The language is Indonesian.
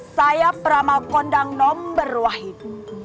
saya peramal kondang nomber wahid